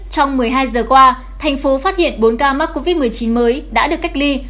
trong một mươi hai giờ qua thành phố phát hiện bốn ca mắc covid một mươi chín mới đã được cách ly